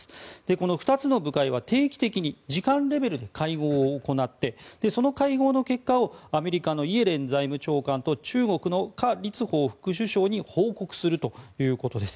この２つの部会は定期的に次官レベルで会合を行ってその会合の結果をアメリカのイエレン財務長官と中国のカ・リツホウ副首相に報告するということです。